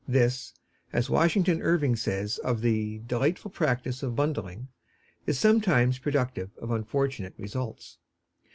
This, as Washington Irving says of the "delightful practice of bundling," is sometimes productive of unfortunate results.